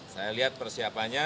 saya lihat persiapan